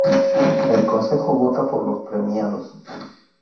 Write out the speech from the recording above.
El Consejo vota por los premiados.